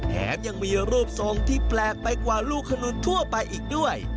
แถมยังมีรูปทรงที่แปลกไปกว่าลูกขนุนทั่วไปอีกด้วย